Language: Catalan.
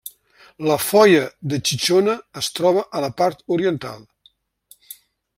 La Foia de Xixona es troba a la part oriental.